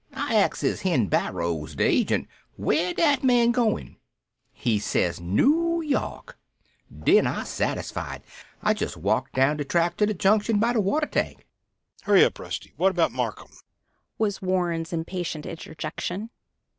I axes Hen Barrows, de agent, where dat man goin'. He says Noo York. Den I is satisfied. I jest walks down de track to de junction, by de water tank." "Hurry up, Rusty. What about Marcum?" was Warren's impatient interjection.